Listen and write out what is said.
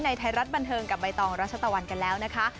ในทายรัฐบันเทิงกับใบตองราชาตวรรค์กันแล้วนะคะ